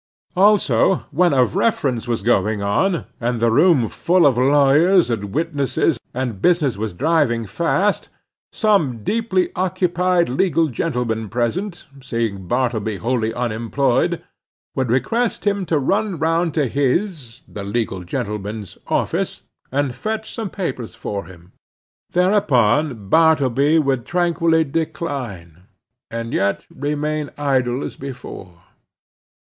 Also, when a Reference was going on, and the room full of lawyers and witnesses and business was driving fast; some deeply occupied legal gentleman present, seeing Bartleby wholly unemployed, would request him to run round to his (the legal gentleman's) office and fetch some papers for him. Thereupon, Bartleby would tranquilly decline, and yet remain idle as before.